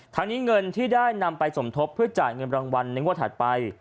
ทั้งนี้เงินที่ได้นำไปสมทบเพื่อจ่ายเงินรางวัลในงวดถัดไป